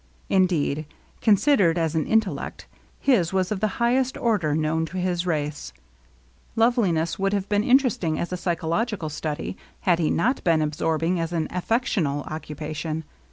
Indeed, considered as an intellect, his was of the highest order known to his race. Loveliness would have been interesting as a psycho logical study, had he not been absorbing as an affectional occupation.